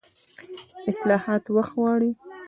اصلاحات وخت غواړي